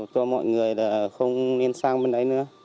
cho mọi người không nên sang bên đấy nữa